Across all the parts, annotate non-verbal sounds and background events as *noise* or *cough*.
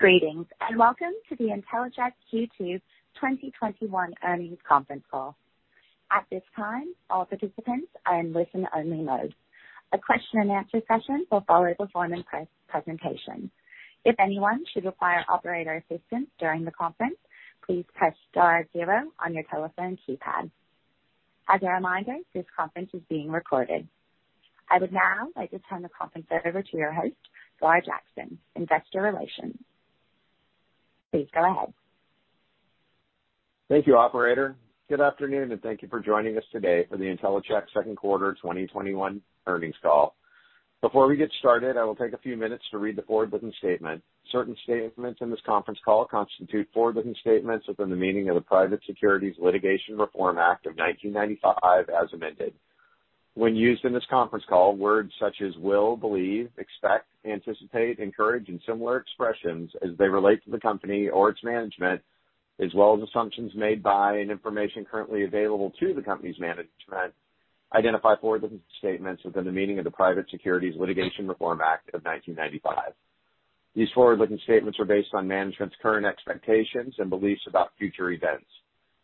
Greetings, and welcome to the Intellicheck's Q2 2021 earnings conference call. I would now like to turn the conference over to your host, Gar Jackson, investor relations. Please go ahead. Thank you, operator. Good afternoon, and thank you for joining us today for the Intellicheck second quarter 2021 earnings call. Before we get started, I will take a few minutes to read the forward-looking statement. Certain statements in this conference call constitute forward-looking statements within the meaning of the Private Securities Litigation Reform Act of 1995 as amended. When used in this conference call, words such as will, believe, expect, anticipate, encourage, and similar expressions as they relate to the company or its management, as well as assumptions made by and information currently available to the company's management, identify forward-looking statements within the meaning of the Private Securities Litigation Reform Act of 1995. These forward-looking statements are based on management's current expectations and beliefs about future events.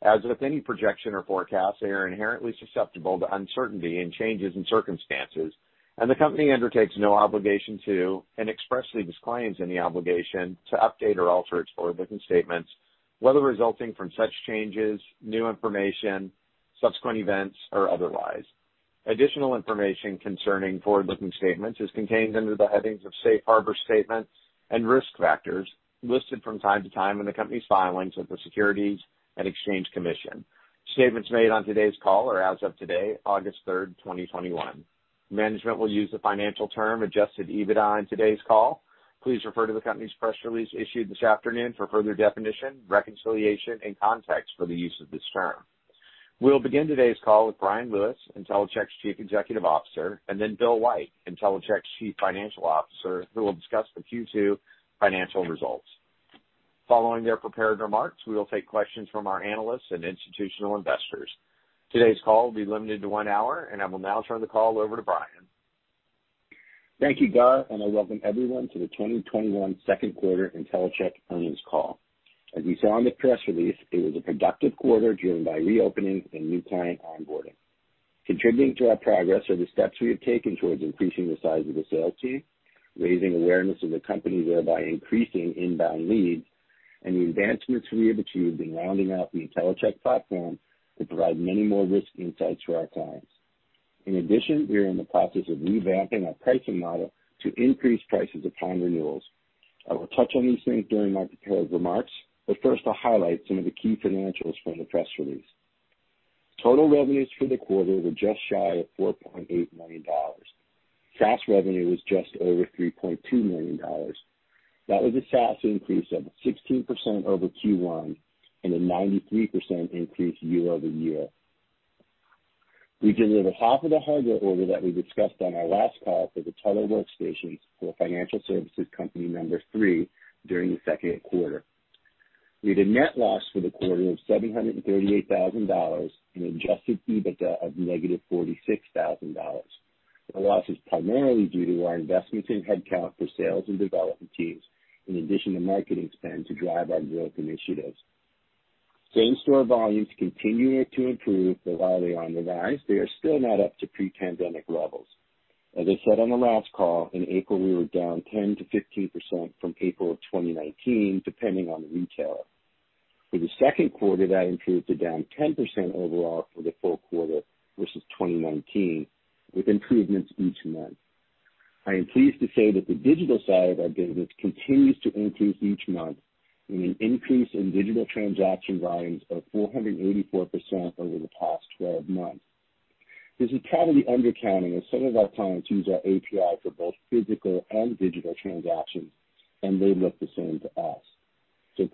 As with any projection or forecast, they are inherently susceptible to uncertainty and changes in circumstances, and the company undertakes no obligation to, and expressly disclaims any obligation to update or alter its forward-looking statements, whether resulting from such changes, new information, subsequent events, or otherwise. Additional information concerning forward-looking statements is contained under the headings of "Safe Harbor Statements" and "Risk Factors" listed from time to time in the company's filings with the Securities and Exchange Commission. Statements made on today's call are as of today, August third, 2021. Management will use the financial term Adjusted EBITDA in today's call. Please refer to the company's press release issued this afternoon for further definition, reconciliation, and context for the use of this term. We'll begin today's call with Bryan Lewis, Intellicheck's Chief Executive Officer, and then Bill White, Intellicheck's Chief Financial Officer, who will discuss the Q2 financial results. Following their prepared remarks, we will take questions from our analysts and institutional investors. Today's call will be limited to one hour, and I will now turn the call over to Bryan. Thank you, Gar. I welcome everyone to the 2021 second quarter Intellicheck earnings call. As you saw in the press release, it was a productive quarter driven by reopening and new client onboarding. Contributing to our progress are the steps we have taken towards increasing the size of the sales team, raising awareness of the company, thereby increasing inbound leads, and the advancements we have achieved in rounding out the Intellicheck platform to provide many more risk insights to our clients. In addition, we are in the process of revamping our pricing model to increase prices of time renewals. I will touch on these things during my prepared remarks, but first I'll highlight some of the key financials from the press release. Total revenues for the quarter were just shy of $4.8 million. SaaS revenue was just over $3.2 million. That was a SaaS increase of 16% over Q1 and a 93% increase year-over-year. We delivered half of the hardware order that we discussed on our last call for the teller workstations for financial services company number three during the second quarter. We had a net loss for the quarter of $738,000 and Adjusted EBITDA of -$46,000. The loss is primarily due to our investments in headcount for sales and development teams, in addition to marketing spend to drive our growth initiatives. Same-store volumes continue to improve. While they are on the rise, they are still not up to pre-pandemic levels. As I said on the last call, in April, we were down 10%-15% from April of 2019, depending on the retailer. For the second quarter, that improved to down 10% overall for the full quarter versus 2019, with improvements each month. I am pleased to say that the digital side of our business continues to increase each month in an increase in digital transaction volumes of 484% over the past 12 months. This is probably undercounting as some of our clients use our API for both physical and digital transactions, and they look the same to us.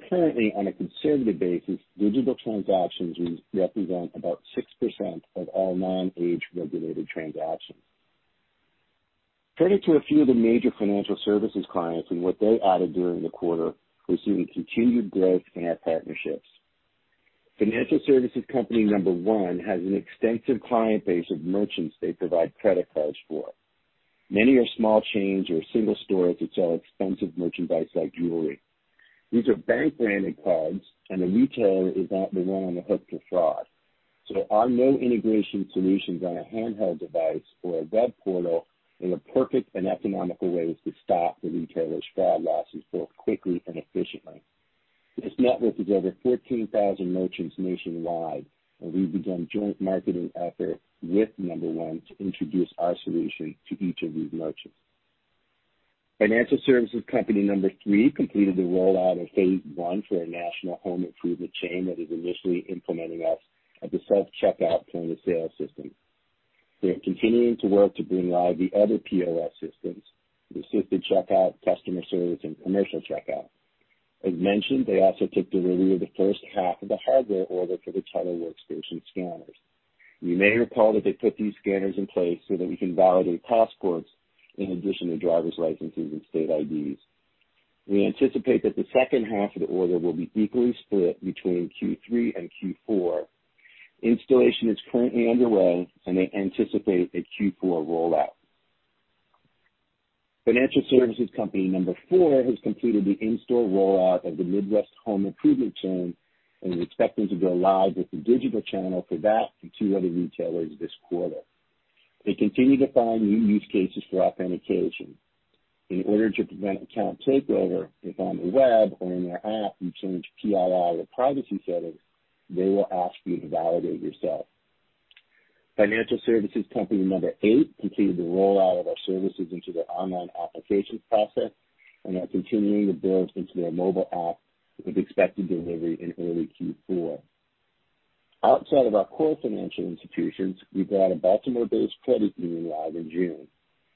Currently, on a conservative basis, digital transactions represent about six% of all non-age-regulated transactions. Credit to a few of the major financial services clients and what they added during the quarter, we're seeing continued growth in our partnerships. Financial services company number one has an extensive client base of merchants they provide credit cards for. Many are small chains or single stores that sell expensive merchandise like jewelry. These are bank-branded cards, and the retailer is not the one on the hook for fraud. Our no-integration solutions on a handheld device or a web portal are the perfect and economical ways to stop the retailer's fraud losses both quickly and efficiently. This network is over 14,000 merchants nationwide, and we've begun joint marketing efforts with number 1 to introduce our solution to each of these merchants. Financial services company number three completed the rollout of phase I for a national home improvement chain that is initially implementing us at the self-checkout point-of-sale system. We are continuing to work to bring live the other POS systems, the assisted checkout, customer service, and commercial checkout. As mentioned, they also took delivery of the first half of the hardware order for the teller workstation scanners. You may recall that they put these scanners in place so that we can validate passports in addition to driver's licenses and state IDs. We anticipate that the second half of the order will be equally split between Q3 and Q4. Installation is currently underway, and they anticipate a Q4 rollout. Financial services company number four has completed the in-store rollout of the Midwest home improvement chain and is expecting to go live with the digital channel for that and two other retailers this quarter. They continue to find new use cases for authentication. In order to prevent account takeover, if on the web or in their app you change PII or privacy settings, they will ask you to validate yourself. Financial services company number eight completed the rollout of our services into their online applications process and are continuing to build into their mobile app with expected delivery in early Q4. Outside of our core financial institutions, we brought a Baltimore-based credit union live in June.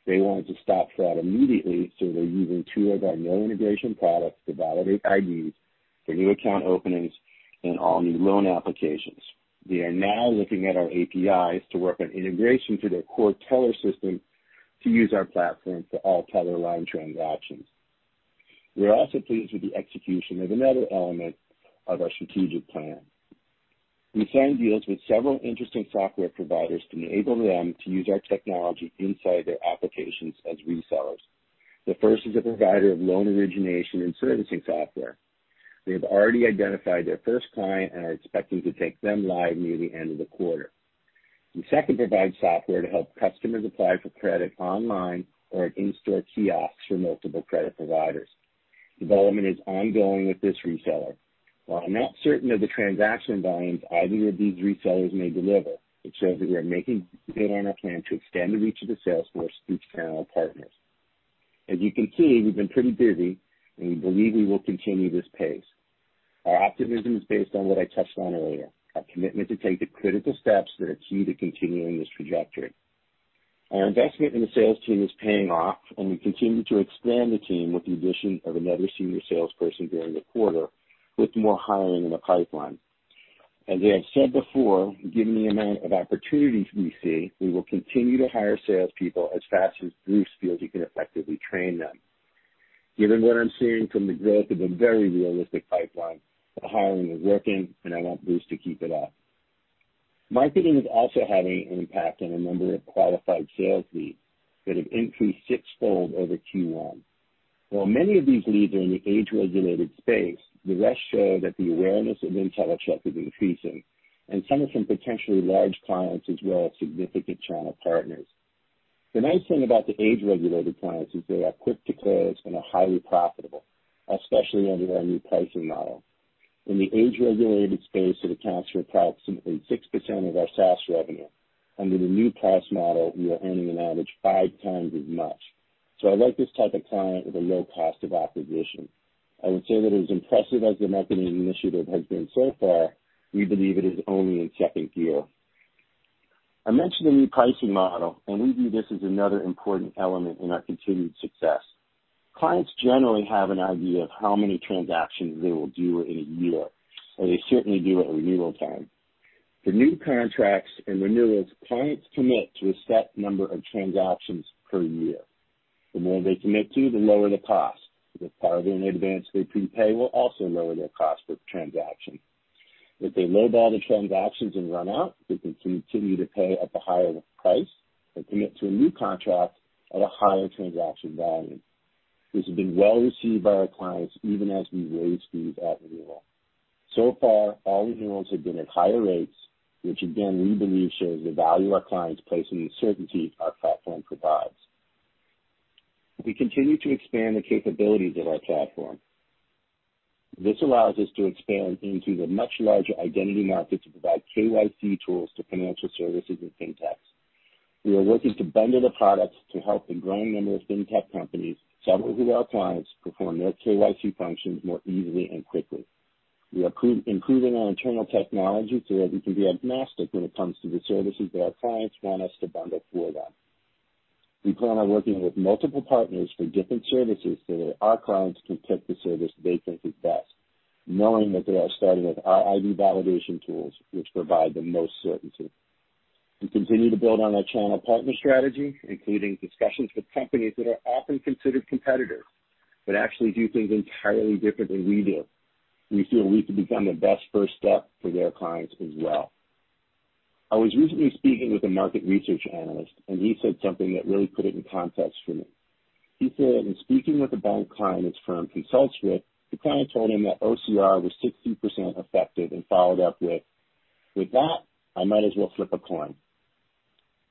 They wanted to stop fraud immediately, so they're using two of our no-integration products to validate IDs for new account openings and all new loan applications. They are now looking at our APIs to work on integration to their core teller system to use our platform for all teller line transactions. We are also pleased with the execution of another element of our strategic plan. We signed deals with several interesting software providers to enable them to use our technology inside their applications as resellers. The first is a provider of loan origination and servicing software. They have already identified their first client and are expecting to take them live near the end of the quarter. The second provides software to help customers apply for credit online or at in-store kiosks for multiple credit providers. Development is ongoing with this reseller. While I'm not certain of the transaction volumes either of these resellers may deliver, it shows that we are making good on our plan to extend the reach of the sales force through channel partners. As you can see, we've been pretty busy, and we believe we will continue this pace. Our optimism is based on what I touched on earlier, our commitment to take the critical steps that are key to continuing this trajectory. Our investment in the sales team is paying off, and we continue to expand the team with the addition of another senior salesperson during the quarter, with more hiring in the pipeline. As I have said before, given the amount of opportunities we see, we will continue to hire salespeople as fast as Bruce feels he can effectively train them. Given what I'm seeing from the growth of a very realistic pipeline, the hiring is working, and I want Bruce to keep it up. Marketing is also having an impact on the number of qualified sales leads that have increased sixfold over Q1. While many of these leads are in the age-regulated space, the rest show that the awareness of Intellicheck is increasing, and some are from potentially large clients as well as significant channel partners. The nice thing about the age-regulated clients is they are quick to close and are highly profitable, especially under our new pricing model. In the age-regulated space, it accounts for approximately 6% of our SaaS revenue. Under the new price model, we are earning an average 5x as much. I like this type of client with a low cost of acquisition. I would say that as impressive as the marketing initiative has been so far, we believe it is only in second gear. I mentioned the new pricing model, and we view this as another important element in our continued success. Clients generally have an idea of how many transactions they will do in a year, and they certainly do at renewal time. For new contracts and renewals, clients commit to a set number of transactions per year. The more they commit to, the lower the cost. The part of it in advance they prepay will also lower their cost per transaction. If they low-ball the transactions and run out, they can continue to pay at the higher price or commit to a new contract at a higher transaction volume. This has been well received by our clients, even as we raise fees at renewal. So far, all renewals have been at higher rates, which again, we believe shows the value our clients place in the certainty our platform provides. We continue to expand the capabilities of our platform. This allows us to expand into the much larger identity market to provide KYC tools to financial services and fintechs. We are working to bundle the products to help the growing number of fintech companies, several who are our clients, perform their KYC functions more easily and quickly. We are improving our internal technology so that we can be agnostic when it comes to the services that our clients want us to bundle for them. We plan on working with multiple partners for different services so that our clients can pick the service they think is best, knowing that they are starting with our ID validation tools, which provide the most certainty. We continue to build on our channel partner strategy, including discussions with companies that are often considered competitors but actually do things entirely different than we do. We feel we can become the best first step for their clients as well. I was recently speaking with a market research analyst, and he said something that really put it in context for me. He said that in speaking with a bank client his firm consults with, the client told him that OCR was 60% effective and followed up with, "With that, I might as well flip a coin."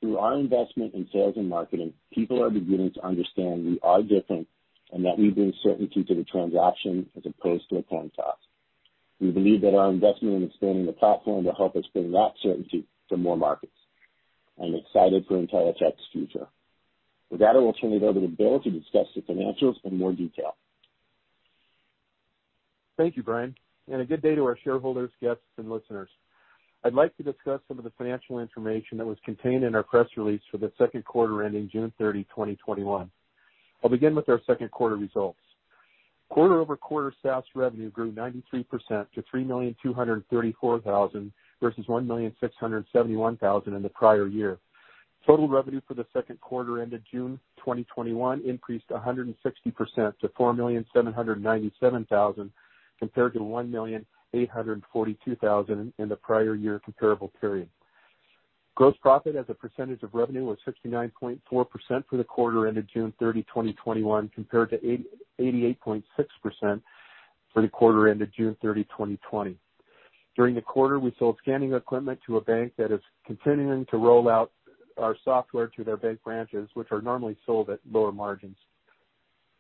Through our investment in sales and marketing, people are beginning to understand we are different and that we bring certainty to the transaction as opposed to a coin toss. We believe that our investment in expanding the platform will help us bring that certainty to more markets. I'm excited for Intellicheck's future. With that, I will turn it over to Bill to discuss the financials in more detail. Thank you, Bryan, and a good day to our shareholders, guests, and listeners. I'd like to discuss some of the financial information that was contained in our press release for the second quarter ending June 30, 2021. I'll begin with our second quarter results. Quarter-over-quarter, SaaS revenue grew 93% to $3,234,000 versus $1,671,000 in the prior year. Total revenue for the second quarter ended June 2021 increased 160% to $4,797,000, compared to $1,842,000 in the prior year comparable period. Gross profit as a percentage of revenue was 69.4% for the quarter ended June 30, 2021, compared to 88.6% for the quarter ended June 30, 2020. During the quarter, we sold scanning equipment to a bank that is continuing to roll out our software to their bank branches, which are normally sold at lower margins.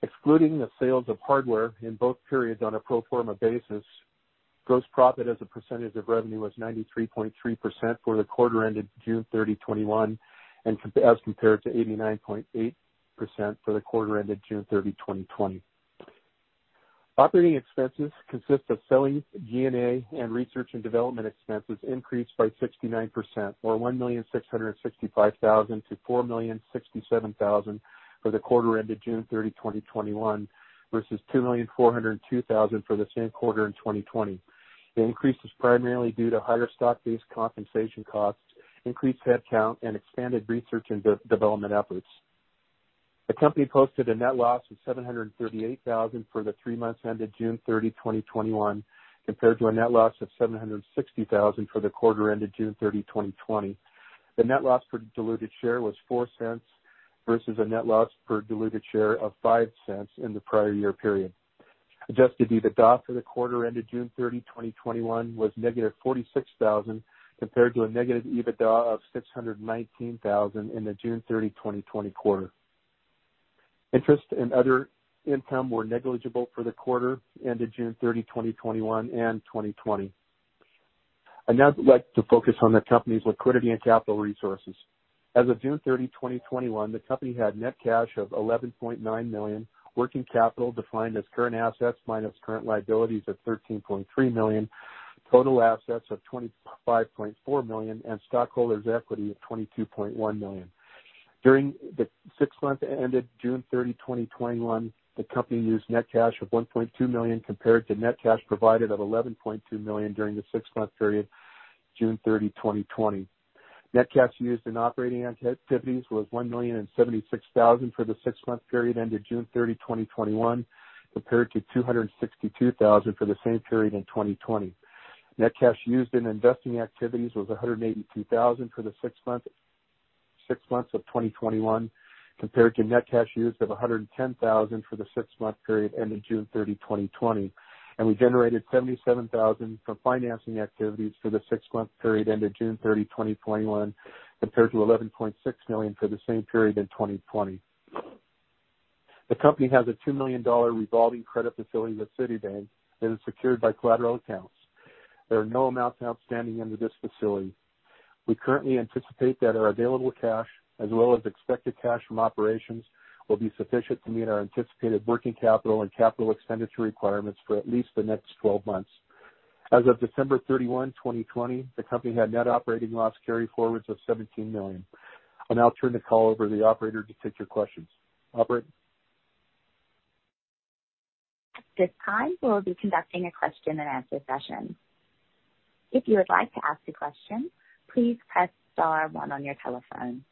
Excluding the sales of hardware in both periods on a pro forma basis, gross profit as a percentage of revenue was 93.3% for the quarter ended June 30, 2021, as compared to 89.8% for the quarter ended June 30, 2020. Operating expenses consist of selling, G&A, and research and development expenses increased by 69% or $1,665,000-$4,067,000 for the quarter ended June 30, 2021, versus $2,402,000 for the same quarter in 2020. The increase is primarily due to higher stock-based compensation costs, increased headcount, and expanded research and development efforts. The company posted a net loss of $738,000 for the three months ended June 30, 2021, compared to a net loss of $760,000 for the quarter ended June 30, 2020. The net loss per diluted share was $0.04 versus a net loss per diluted share of $0.05 in the prior year period. Adjusted EBITDA for the quarter ended June 30, 2021, was -$46,000 compared to a negative EBITDA of $619,000 in the June 30, 2020 quarter. Interest and other income were negligible for the quarter ended June 30, 2021 and 2020. I'd now like to focus on the company's liquidity and capital resources. As of June 30, 2021, the company had net cash of $11.9 million, working capital defined as current assets minus current liabilities of $13.3 million, total assets of $25.4 million, and stockholders' equity of $22.1 million. During the six months ended June 30, 2021, the company used net cash of $1.2 million compared to net cash provided of $11.2 million during the six-month period June 30, 2020. Net cash used in operating activities was $1,076,000 for the six-month period ended June 30, 2021, compared to $262,000 for the same period in 2020. Net cash used in investing activities was $182,000 for the six months of 2021 compared to net cash used of $110,000 for the six-month period ending June 30, 2020. We generated $77,000 from financing activities for the six-month period ended June 30, 2021, compared to $11.6 million for the same period in 2020. The company has a $2 million revolving credit facility with Citibank that is secured by collateral accounts. There are no amounts outstanding under this facility. We currently anticipate that our available cash, as well as expected cash from operations, will be sufficient to meet our anticipated working capital and capital expenditure requirements for at least the next 12 months. As of December 31, 2020, the company had net operating loss carryforwards of $17 million. I'll now turn the call over to the operator to take your questions. Operator? At this time, we'll be conducting a question and answer session. If you would like to ask a question, please press star one on your telephone.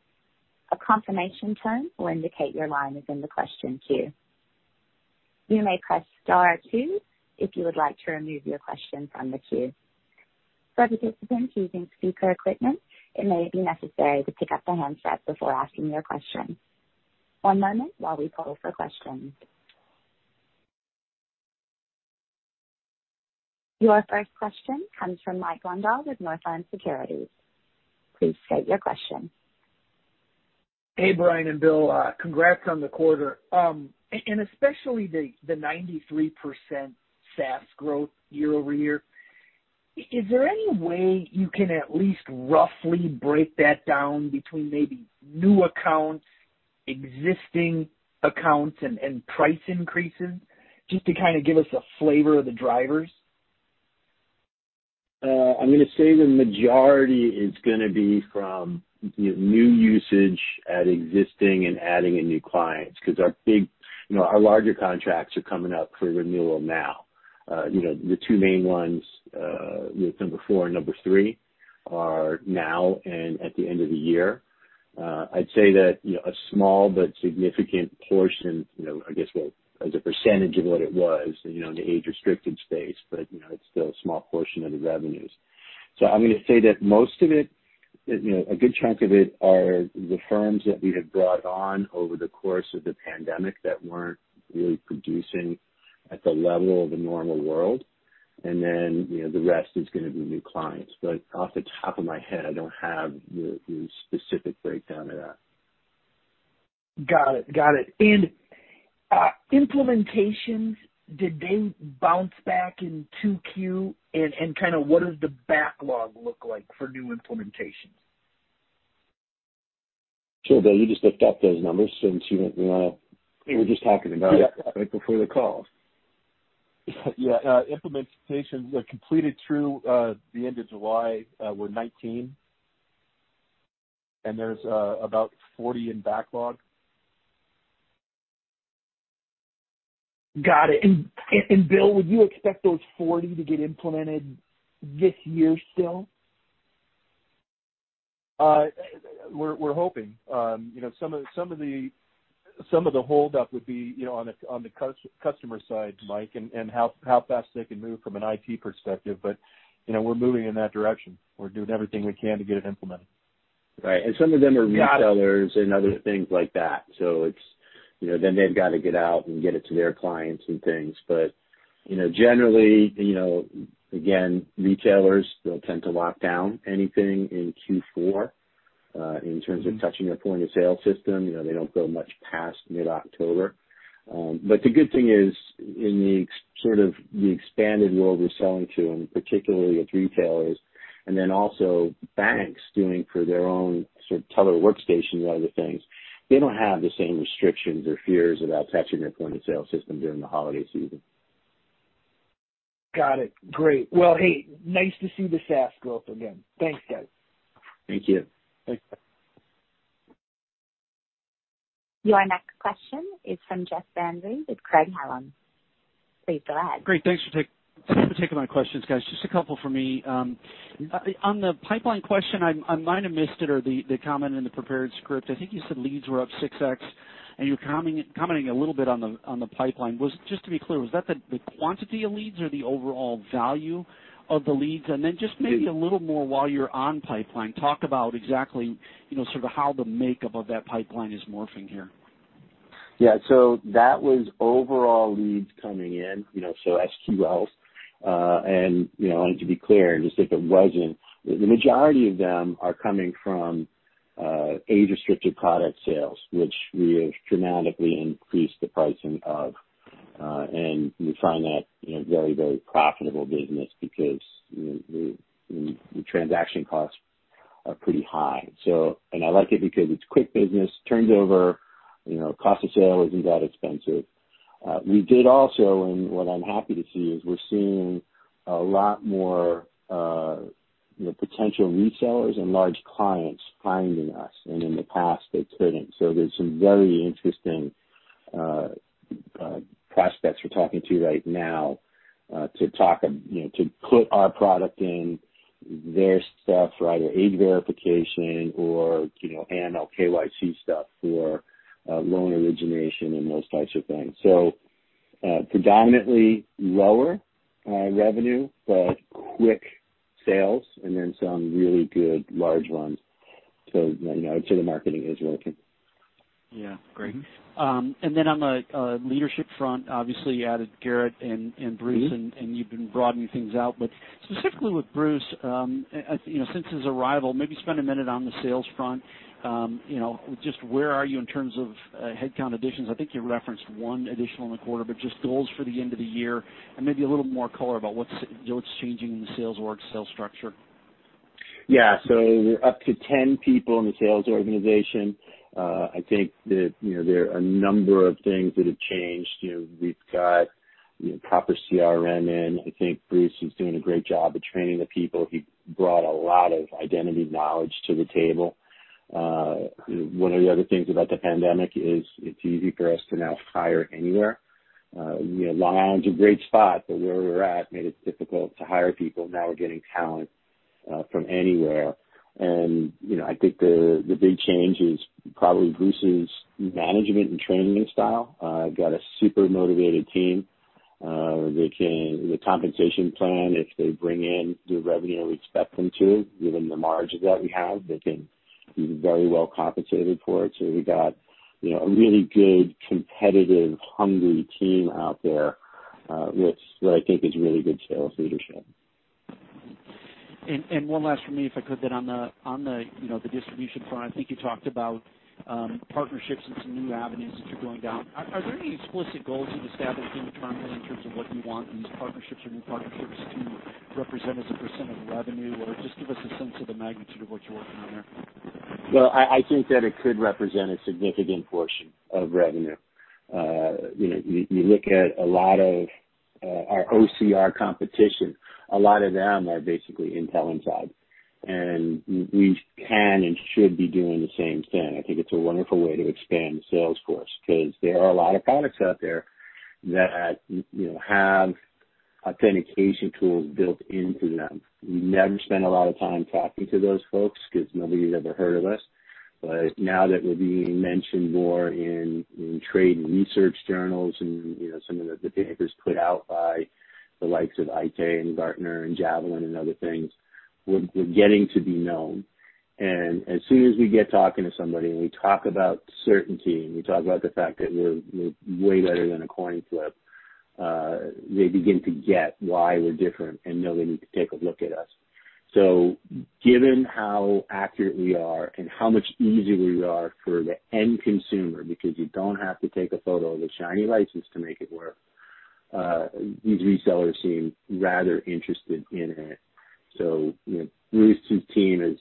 Your first question comes from Mike Grondahl with Northland Securities. Please state your question. Hey, Bryan and Bill. Congrats on the quarter, and especially the 93% SaaS growth year-over-year. Is there any way you can at least roughly break that down between maybe new accounts, existing accounts, and price increases? Just to kind of give us a flavor of the drivers. I'm going to say the majority is going to be from new usage at existing and adding in new clients. Our larger contracts are coming up for renewal now. The two main ones, number four and number three, are now and at the end of the year. I'd say that a small but significant portion, I guess as a percentage of what it was in the age-restricted space, but it's still a small portion of the revenues. I'm going to say that most of it, a good chunk of it are the firms that we had brought on over the course of the pandemic that weren't really producing at the level of the normal world. The rest is going to be new clients. Off the top of my head, I don't have the specific breakdown of that. Got it. Implementations, did they bounce back in 2Q? Kind of what does the backlog look like for new implementations? Sure. Bill, you just looked up those numbers since we were just talking about it right before the call. Yeah. Implementations completed through the end of July were 19, and there's about 40 in backlog Got it. Bill, would you expect those 40 to get implemented this year still? We're hoping. Some of the holdup would be on the customer side, Mike, and how fast they can move from an IT perspective. We're moving in that direction. We're doing everything we can to get it implemented. Right. Some of them are. *crosstalk* Got it. retailers and other things like that. They've got to get out and get it to their clients and things. Generally, again, retailers, they'll tend to lock down anything in Q4, in terms of touching their point-of-sale system. They don't go much past mid-October. The good thing is in the sort of the expanded world we're selling to, and particularly with retailers, and then also banks doing for their own sort of teller workstations and other things, they don't have the same restrictions or fears about touching their point-of-sale system during the holiday season. Got it. Great. Well, hey, nice to see the SaaS growth again. Thanks, guys. Thank you. Thanks. Your next question is from Jeff Van Rhee with Craig-Hallum. Please go ahead. Great. Thanks for taking my questions, guys. Just a couple from me. On the pipeline question, I might have missed it or the comment in the prepared script. I think you said leads were up 6x, and you were commenting a little bit on the pipeline. Just to be clear, was that the quantity of leads or the overall value of the leads? Then just maybe a little more while you're on pipeline, talk about exactly sort of how the makeup of that pipeline is morphing here. Yeah. That was overall leads coming in, so SQLs. I wanted to be clear just if it wasn't. The majority of them are coming from age-restricted product sales, which we have dramatically increased the pricing of. We find that a very profitable business because the transaction costs are pretty high. I like it because it's quick business, turns over, cost of sale isn't that expensive. We did also, and what I'm happy to see is we're seeing a lot more potential resellers and large clients finding us, and in the past they couldn't. There's some very interesting prospects we're talking to right now to put our product in their stuff for either age verification or AML, KYC stuff for loan origination and those types of things. Predominantly lower revenue, but quick sales and then some really good large ones. The marketing is working. Yeah. Great. On the leadership front, obviously you added Garrett and Bruce, and you've been broadening things out. Specifically with Bruce, since his arrival, maybe spend a minute on the sales front. Just where are you in terms of headcount additions? I think you referenced one additional in the quarter, but just goals for the end of the year and maybe a little more color about what's changing in the sales org, sales structure. Yeah. We're up to 10 people in the sales organization. I think that there are a number of things that have changed. We've got proper CRM in. I think Bruce is doing a great job of training the people. He brought a lot of identity knowledge to the table. One of the other things about the pandemic is it's easy for us to now hire anywhere. Long Island's a great spot, but where we were at made it difficult to hire people. Now we're getting talent from anywhere. I think the big change is probably Bruce's management and training style. Got a super motivated team. The compensation plan, if they bring in the revenue we expect them to, given the margins that we have, they can be very well compensated for it. We got a really good, competitive, hungry team out there, which I think is really good sales leadership. One last from me, if I could, then on the distribution front, I think you talked about partnerships and some new avenues that you're going down. Are there any explicit goals you've established internally in terms of what you want these partnerships or new partnerships to represent as a percent of revenue? Just give us a sense of the magnitude of what you're working on there. Well, I think that it could represent a significant portion of revenue. You look at a lot of our OCR competition, a lot of them are basically Intel inside, and we can and should be doing the same thing. I think it's a wonderful way to expand the sales force because there are a lot of products out there that have authentication tools built into them. We never spent a lot of time talking to those folks because nobody's ever heard of us. Now that we're being mentioned more in trade and research journals and some of the papers put out by the likes of IT and Gartner and Javelin and other things, we're getting to be known. As soon as we get talking to somebody and we talk about certainty and we talk about the fact that we're way better than a coin flip, they begin to get why we're different and know they need to take a look at us. given how accurate we are and how much easier we are for the end consumer because you don't have to take a photo of a shiny license to make it work, these resellers seem rather interested in it. Bruce's team,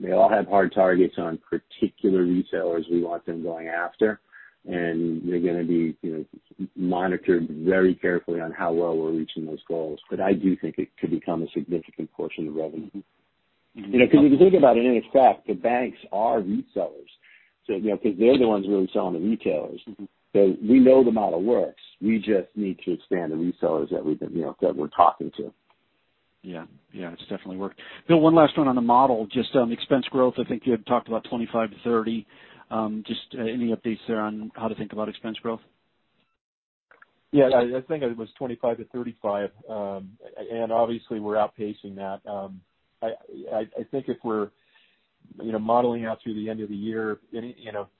they all have hard targets on particular resellers we want them going after, and they're going to be monitored very carefully on how well we're reaching those goals. I do think it could become a significant portion of the revenue. if you think about it, in effect, the banks are resellers. they're the ones really selling to retailers. We know the model works. We just need to expand the resellers that we're talking to. Yeah. It's definitely worked. Bill, one last one on the model, just on expense growth. I think you had talked about 25-30. Just any updates there on how to think about expense growth? Yeah, I think it was 25-35. obviously, we're outpacing that. I think if we're modeling out through the end of the year,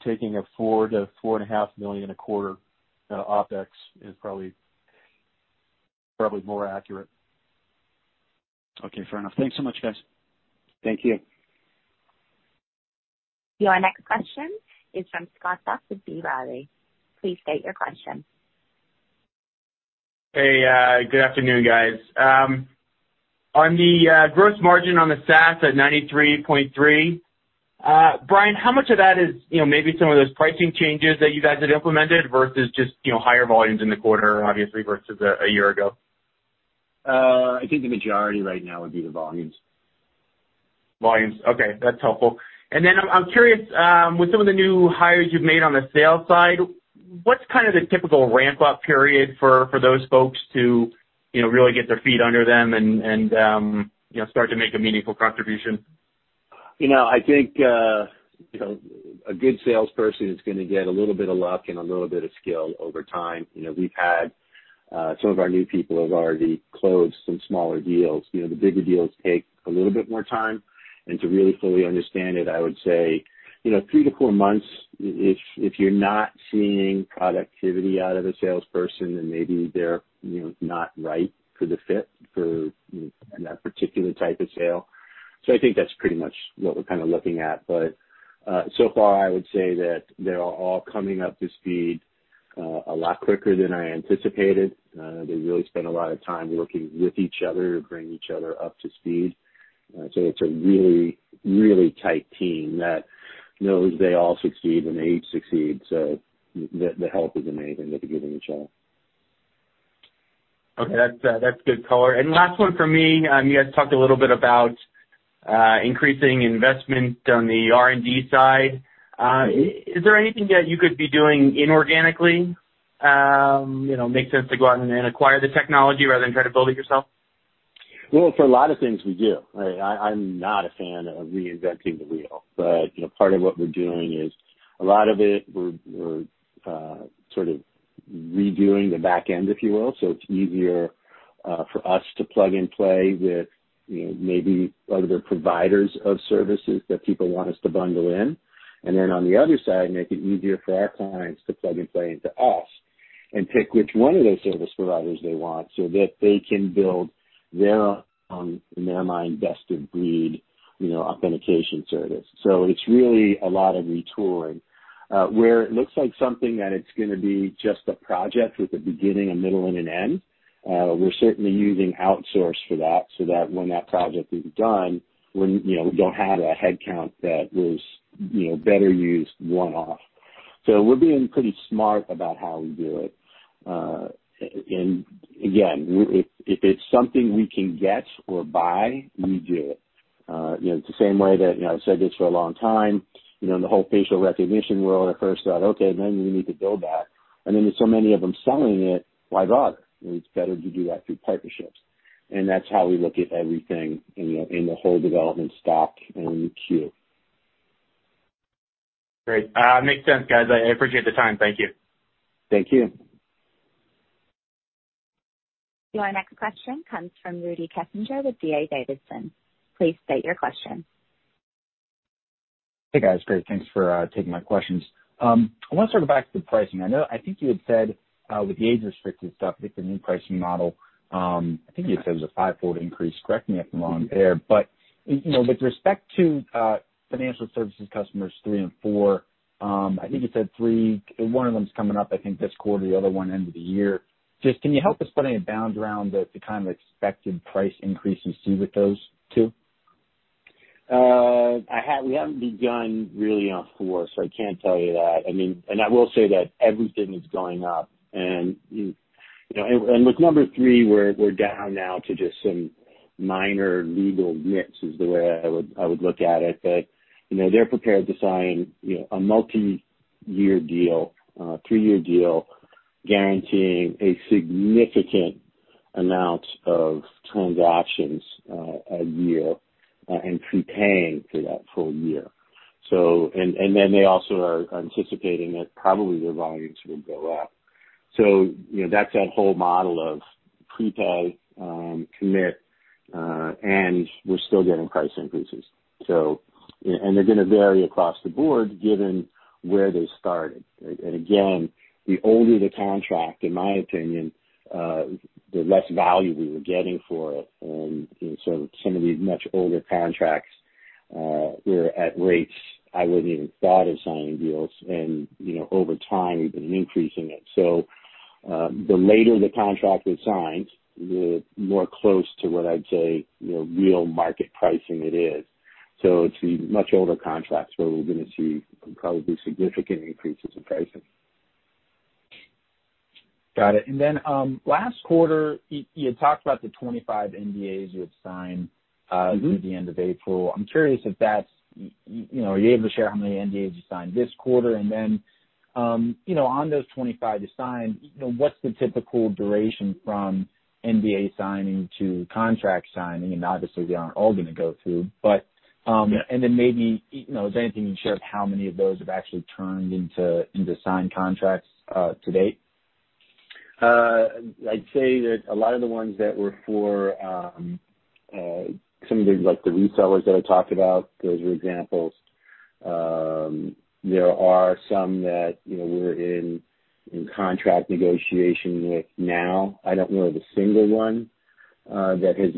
taking a 4 million-4.5 million a quarter OpEx is probably more accurate. Okay. Fair enough. Thanks so much, guys. Thank you. Your next question is from Scott Searle with B. Riley. Please state your question. Hey, good afternoon, guys. On the gross margin on the SaaS at 93.3, Bryan, how much of that is maybe some of those pricing changes that you guys have implemented versus just higher volumes in the quarter, obviously, versus a year ago? I think the majority right now would be the volumes. Volumes. Okay, that's helpful. I'm curious, with some of the new hires you've made on the sales side, what's the typical ramp-up period for those folks to really get their feet under them and start to make a meaningful contribution? I think a good salesperson is going to get a little bit of luck and a little bit of skill over time. We've had some of our new people have already closed some smaller deals. The bigger deals take a little bit more time. To really fully understand it, I would say three to four months. If you're not seeing productivity out of a salesperson, then maybe they're not right for the fit for that particular type of sale. I think that's pretty much what we're looking at. So far, I would say that they are all coming up to speed a lot quicker than I anticipated. They really spend a lot of time working with each other to bring each other up to speed. It's a really tight team that knows they all succeed when they each succeed. The help is amazing that they're giving each other. Okay, that's good color. Last one from me. You guys talked a little bit about increasing investment on the R&D side. Is there anything that you could be doing inorganically? Make sense to go out and acquire the technology rather than try to build it yourself? Well, for a lot of things we do. I'm not a fan of reinventing the wheel. Part of what we're doing is a lot of it we're sort of redoing the back end, if you will, so it's easier for us to plug and play with maybe other providers of services that people want us to bundle in. On the other side, make it easier for our clients to plug and play into us and pick which one of those service providers they want so that they can build their, in their mind, best of breed authentication service. It's really a lot of retooling. Where it looks like something that it's going to be just a project with a beginning, a middle, and an end, we're certainly using outsource for that, so that when that project is done, we don't have a headcount that was better used one-off. We're being pretty smart about how we do it. Again, if it's something we can get or buy, we do it. It's the same way that I've said this for a long time. The whole facial recognition world at first thought, okay, maybe we need to build that. There's so many of them selling it, why bother? It's better to do that through partnerships. That's how we look at everything in the whole development stock and queue. Great. Makes sense, guys. I appreciate the time. Thank you. Thank you. Your next question comes from Rudy Kessinger with D.A. Davidson. Please state your question. Hey, guys. Great. Thanks for taking my questions. I want to circle back to the pricing. I think you had said with the age-restricted stuff, with the new pricing model, I think you had said it was a fivefold increase. Correct me if I'm wrong there. With respect to financial services customers three and four, I think you said three, one of them's coming up, I think, this quarter, the other one end of the year. Just can you help us put any bounds around the kind of expected price increase we see with those two? We haven't begun really on four, so I can't tell you that. I will say that everything is going up. With number three, we're down now to just some minor legal nips, is the way I would look at it. They're prepared to sign a multi-year deal, a three-year deal, guaranteeing a significant amount of transactions a year and prepaying for that full year. They also are anticipating that probably their volumes will go up. That's that whole model of prepay, commit, and we're still getting price increases. They're going to vary across the board, given where they started. Again, the older the contract, in my opinion, the less value we were getting for it. Some of these much older contracts were at rates I wouldn't even thought of signing deals. Over time, we've been increasing it. The later the contract was signed, the more close to what I'd say real market pricing it is. It's the much older contracts where we're going to see probably significant increases in pricing. Got it. Last quarter, you had talked about the 25 NDAs you had signed through the end of April. Are you able to share how many NDAs you signed this quarter? On those 25 you signed, what's the typical duration from NDA signing to contract signing? Obviously they aren't all going to go through. Yeah. Maybe, is there anything you can share of how many of those have actually turned into signed contracts to date? I'd say that a lot of the ones that were for some of the resellers that I talked about, those were examples. There are some that we're in contract negotiation with now. I don't know of a single one that has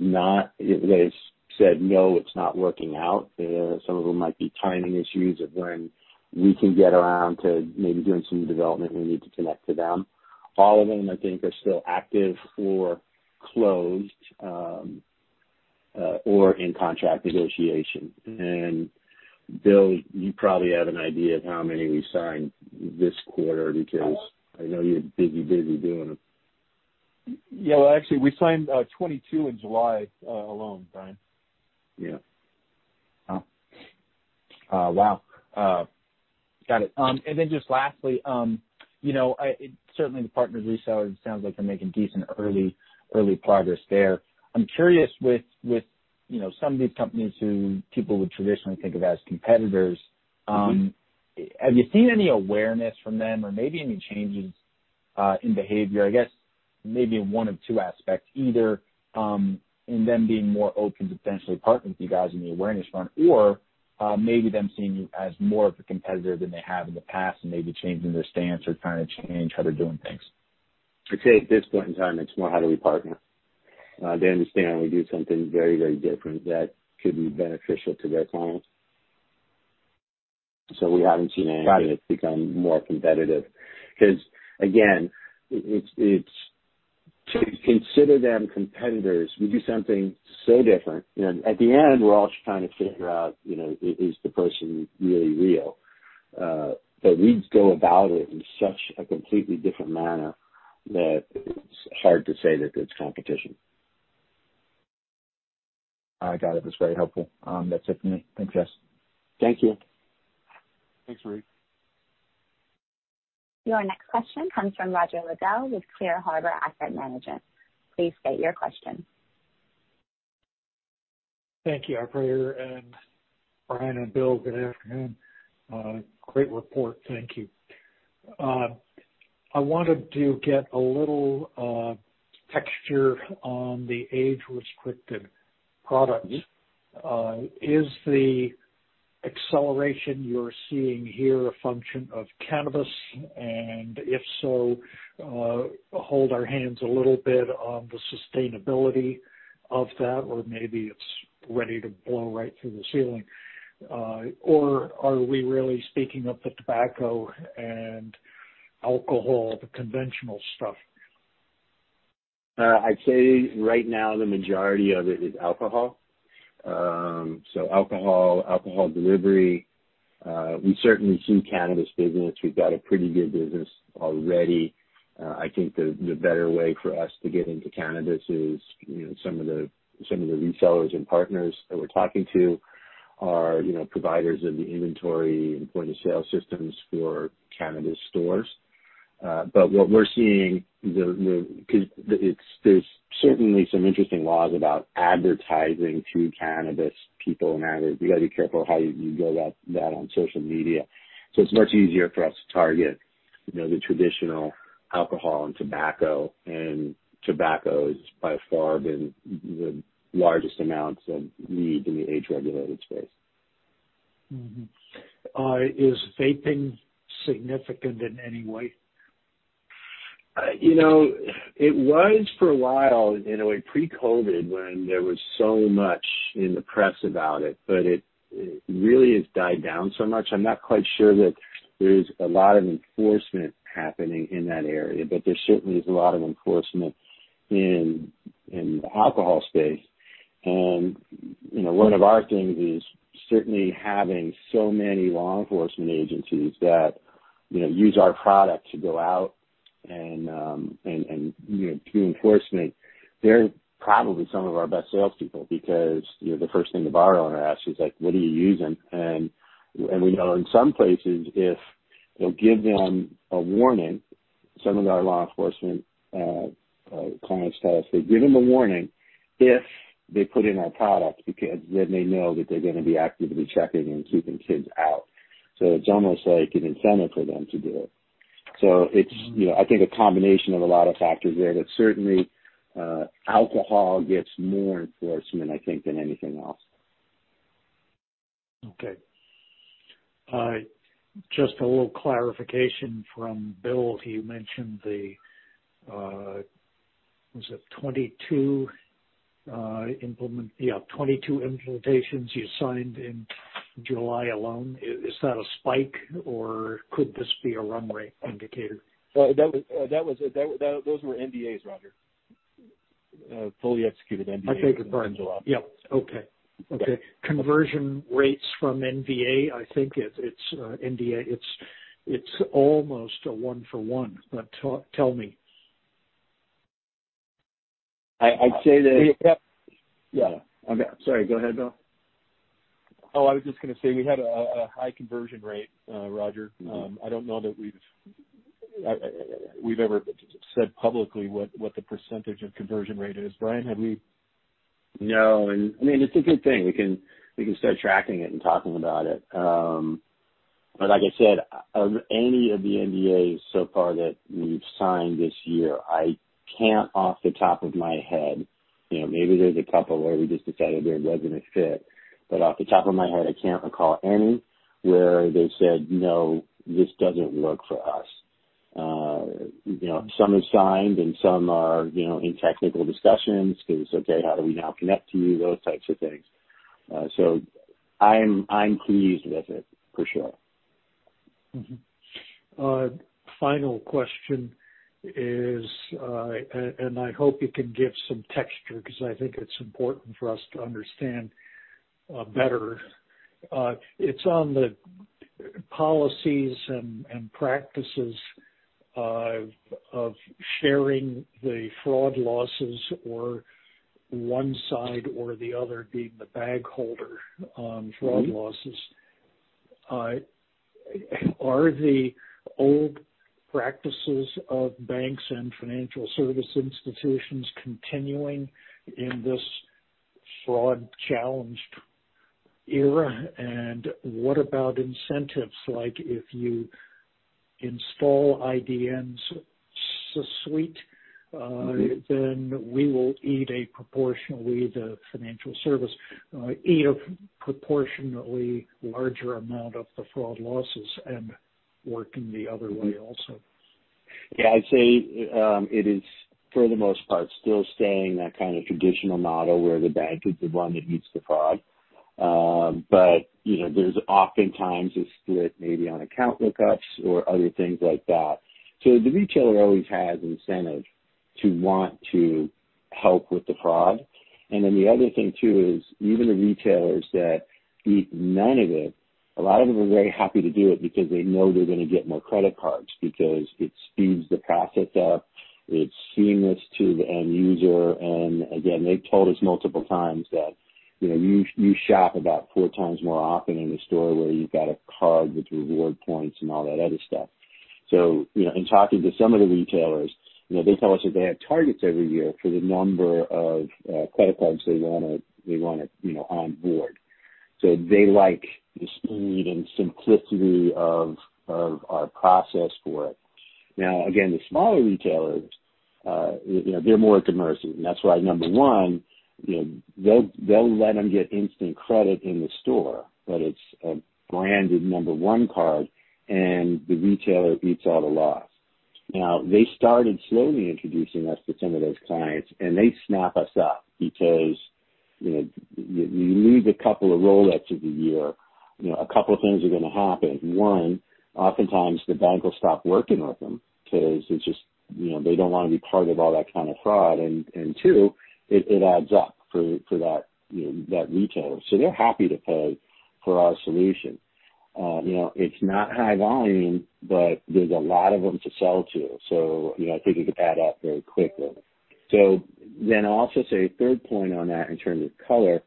said, "No, it's not working out." Some of them might be timing issues of when we can get around to maybe doing some development, we need to connect to them. All of them, I think, are still active or closed, or in contract negotiation. Bill, you probably have an idea of how many we signed this quarter, because I know you're busy doing them. Yeah. Well, actually, we signed 22 in July alone, Bryan. Yeah. Oh, wow. Got it. just lastly, certainly the partners resellers, it sounds like they're making decent early progress there. I'm curious with some of these companies who people would traditionally think of as competitors. Have you seen any awareness from them or maybe any changes in behavior, I guess maybe in one of two aspects, either in them being more open to potentially partnering with you guys on the awareness front or, maybe them seeing you as more of a competitor than they have in the past and maybe changing their stance or trying to change how they're doing things? I'd say at this point in time, it's more how do we partner? They understand we do something very different that could be beneficial to their clients. We haven't seen any. Got it. That's become more competitive. Because, again, to consider them competitors, we do something so different. At the end, we're all just trying to figure out, is the person really real? we go about it in such a completely different manner that it's hard to say that it's competition. All right. Got it. That's very helpful. That's it for me. Thanks, guys. Thank you. Thanks, Rudy. Your next question comes from Roger Liddell with Clear Harbor Asset Management. Please state your question. Thank you, operator and Bryan and Bill, good afternoon. Great report. Thank you. I wanted to get a little texture on the age-restricted products. Is the acceleration you're seeing here a function of cannabis? If so, hold our hands a little bit on the sustainability of that, or maybe it's ready to blow right through the ceiling. Are we really speaking of the tobacco and alcohol, the conventional stuff? I'd say right now the majority of it is alcohol. Alcohol delivery. We certainly see cannabis business. We've got a pretty good business already. I think the better way for us to get into cannabis is, some of the resellers and partners that we're talking to are providers of the inventory and point-of-sale systems for cannabis stores. What we're seeing, there's certainly some interesting laws about advertising to cannabis people now, that you got to be careful how you go about that on social media. It's much easier for us to target the traditional alcohol and tobacco, and tobacco has by far been the largest amounts of leads in the age-regulated space. Is vaping significant in any way? It was for a while, in a way, pre-COVID, when there was so much in the press about it, but it really has died down so much. I'm not quite sure that there's a lot of enforcement happening in that area, but there certainly is a lot of enforcement in the alcohol space. One of our things is certainly having so many law enforcement agencies that use our product to go out and do enforcement. They're probably some of our best salespeople because the first thing the bar owner asks is, "What are you using?" We know in some places, if they'll give them a warning, some of our law enforcement clients tell us they give them a warning if they put in our product, because then they know that they're going to be actively checking and keeping kids out. It's almost like an incentive for them to do it. It's I think a combination of a lot of factors there, but certainly, alcohol gets more enforcement, I think, than anything else. Okay. Just a little clarification from Bill. He mentioned the, was it 22 implementations you signed in July alone. Is that a spike, or could this be a run rate indicator? Those were NDAs, Roger. Fully executed NDAs. *crosstalk* I beg your pardon. Yeah. Okay. Yeah. Okay. Conversion rates from NDA. I think it's NDA. It's almost a one for one. Tell me. I'd say that. *crosstalk* We have. Yeah. I'm sorry. Go ahead, Bill. I was just going to say, we had a high conversion rate, Roger. I don't know that we've ever said publicly what the percentage of conversion rate is. Bryan, have we? No, and it's a good thing. We can start tracking it and talking about it. Like I said, of any of the NDAs so far that we've signed this year, I can't, off the top of my head maybe there's a couple where we just decided it wasn't a fit, but off the top of my head, I can't recall any where they said, "No, this doesn't work for us." Some are signed and some are in technical discussions because, okay, how do we now connect to you? Those types of things. I'm pleased with it for sure. Final question is, and I hope you can give some texture because I think it's important for us to understand better. It's on the policies and practices of sharing the fraud losses or one side or the other being the bag holder on fraud losses. Are the old practices of banks and financial service institutions continuing in this fraud-challenged era? What about incentives like if you install IDN's suite, then we will eat a proportionately, the financial service, eat a proportionately larger amount of the fraud losses and working the other way also. Yeah, I'd say it is, for the most part, still staying that kind of traditional model where the bank is the one that eats the fraud. There's oftentimes a split maybe on account lookups or other things like that. The retailer always has incentive to want to help with the fraud. The other thing too is even the retailers that eat none of it, a lot of them are very happy to do it because they know they're going to get more credit cards because it speeds the process up, it's seamless to the end user. Again, they've told us multiple times that you shop about 4x more often in a store where you've got a card with reward points and all that other stuff. In talking to some of the retailers, they tell us that they have targets every year for the number of credit cards they want to onboard. They like the speed and simplicity of our process for it. Now, again, the smaller retailers, they're more commercial. That's why number one, they'll let them get instant credit in the store, but it's a branded number one card, and the retailer eats all the loss. Now, they started slowly introducing us to some of those clients, and they snap us up because you leave a couple of rollbacks of the year, a couple of things are going to happen. One, oftentimes the bank will stop working with them because they don't want to be part of all that kind of fraud. Two, it adds up for that retailer. They're happy to pay for our solution. It's not high volume, but there's a lot of them to sell to. I think it could add up very quickly. I'll also say a third point on that in terms of color.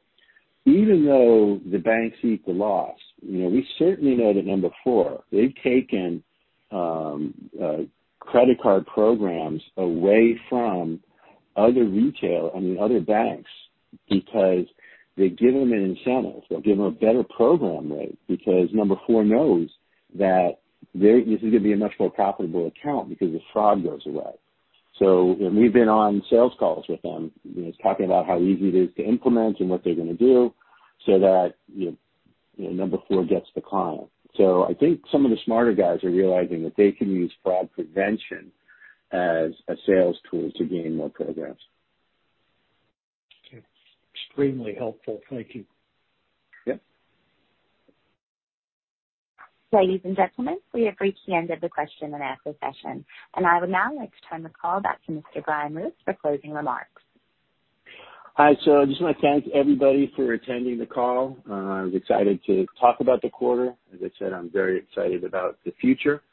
Even though the banks eat the loss, we certainly know that number four, they've taken credit card programs away from other retail, I mean other banks, because they give them an incentive. They'll give them a better program rate because number four knows that this is going to be a much more profitable account because the fraud goes away. We've been on sales calls with them, talking about how easy it is to implement and what they're going to do so that number four gets the client. I think some of the smarter guys are realizing that they can use fraud prevention as a sales tool to gain more programs. Okay. Extremely helpful. Thank you. Yeah. Ladies and gentlemen, we have reached the end of the question and answer session, and I would now like to turn the call back to Mr. Bryan Lewis for closing remarks. Hi, I just want to thank everybody for attending the call. I was excited to talk about the quarter. As I said, I'm very excited about the future,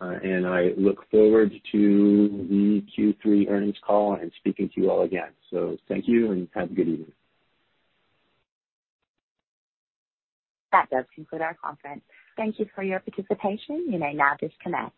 and I look forward to the Q3 earnings call and speaking to you all again. Thank you and have a good evening. That does conclude our conference. Thank you for your participation. You may now disconnect.